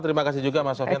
terima kasih juga mas sofian